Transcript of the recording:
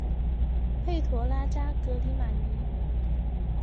佩托拉扎格里马尼。